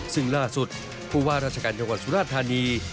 ซึ่งล่าสุดผู้ว่าราชการจังหวัดสุราธานี